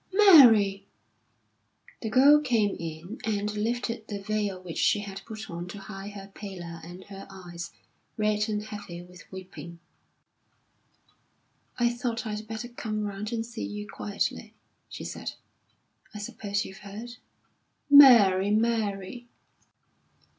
"Mary!" The girl came in, and lifted the veil which she had put on to hide her pallor and her eyes, red and heavy with weeping. "I thought I'd better come round and see you quietly," she said. "I suppose you've heard?" "Mary, Mary!"